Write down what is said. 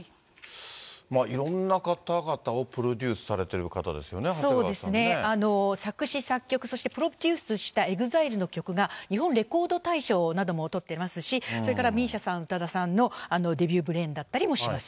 いろんな方々をプロデュースされている方ですよね、そうですね、作詞・作曲、そしてプロデュースしたＥＸＩＬＥの曲が、日本レコード大賞なども取っていますし、それからＭＩＳＩＡさん、宇多田さんのデビューブレーンだったりもします。